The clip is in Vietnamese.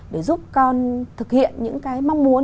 để giúp con thực hiện những cái mong muốn